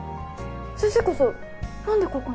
先生こそ何でここに？